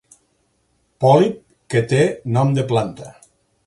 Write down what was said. Pòlip que té nom de planta.